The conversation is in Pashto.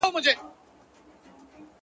کوم زاهد په يوه لاس ورکړی ډهول دی,